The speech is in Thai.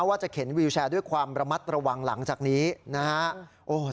ว่าจะเข็นวิวแชร์ด้วยความระมัดระวังหลังจากนี้นะฮะโอ้โห